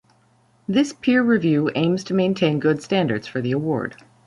This peer review aims to maintain good standards for the award.